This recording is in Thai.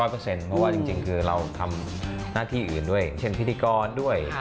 เพราะว่าจริงคือเราทำหน้าที่อื่นด้วยเช่นพิธีกรด้วย